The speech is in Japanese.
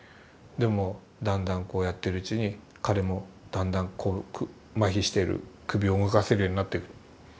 でもだんだんこうやってるうちに彼もだんだんこう麻痺している首を動かせるようになって。